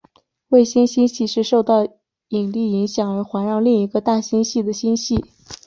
卫星星系是受到引力影响而环绕另一个大星系的星系。